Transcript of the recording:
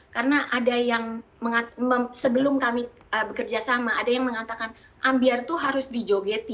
karena ada yang sebelum kami bekerja sama ada yang mengatakan ambiar itu harus dijogeti